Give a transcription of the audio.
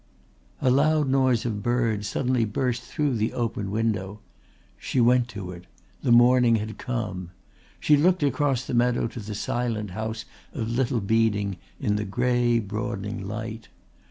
A loud noise of birds suddenly burst through the open window. She went to it. The morning had come. She looked across the meadow to the silent house of Little Beeding in the grey broadening light.